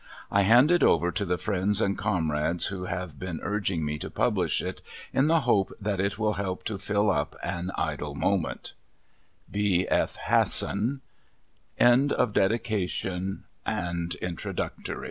I hand it over to the friends and comrades who have been urging me to publish it, in the hope that it will help to fill up an idle moment. B. F. HASSON. [Illustration: F. C. ORMSBY WASH.